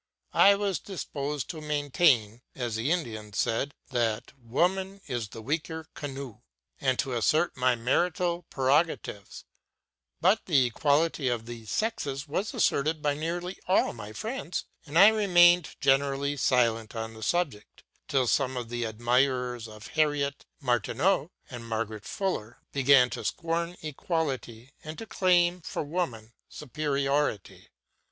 I was disposed to maintain, as the Indian said, that "woman is the weaker canoe," and to assert my marital prerogatives; but the equality of the sexes was asserted by nearly all my friends, and I remained generally silent on the subject, till some of the admirers of Harriet Martineau and Margaret Fuller began to scorn equality and to claim for woman superiority.